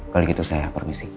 kalau gitu saya permisi